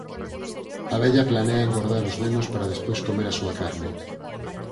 A vella planea engordar os nenos para despois comer a súa carne.